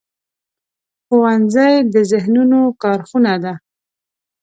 ښوونځی د ذهنونو کارخونه ده